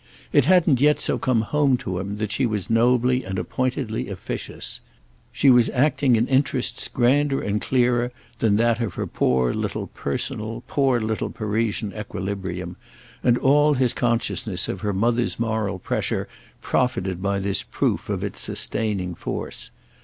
It hadn't yet so come home to him that she was nobly and appointedly officious. She was acting in interests grander and clearer than that of her poor little personal, poor little Parisian equilibrium, and all his consciousness of her mother's moral pressure profited by this proof of its sustaining force.